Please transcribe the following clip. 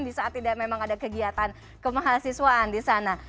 di saat tidak memang ada kegiatan kemahasiswaan di sana